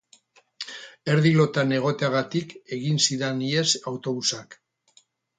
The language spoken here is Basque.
Erdi lotan egoteagatik egin zidan ihes autobusak.